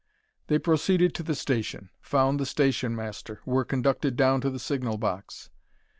They proceeded to the station found the station master were conducted down to the signal box.